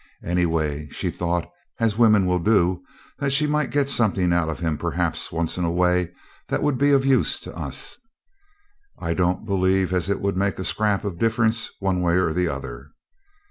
Any way, she thought, as women will do, that she might get something out of him perhaps once in a way that would be of use to us. I don't believe as it would make a scrap of difference one way or the other.